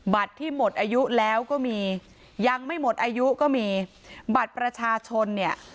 ที่หมดอายุแล้วก็มียังไม่หมดอายุก็มีบัตรประชาชนเนี่ย